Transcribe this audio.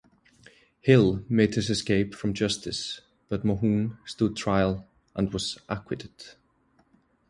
Hill made his escape from justice, but Mohun stood trial and was acquitted.